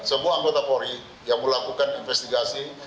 semua anggota polri yang melakukan investigasi